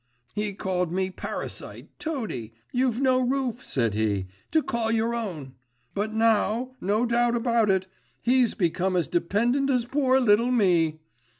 'He called me parasite, toady! "You've no roof," said he, "to call your own." But now, no doubt about it, he's become as dependent as poor little me.